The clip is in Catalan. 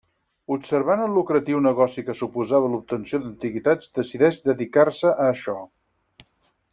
Observant el lucratiu negoci que suposava l'obtenció d'antiguitats decideix dedicar-se a això.